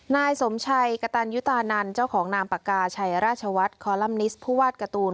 นายสมชัยกระตันยุตานันเจ้าของนามปากกาชัยราชวัฒน์คอลัมนิสผู้วาดการ์ตูน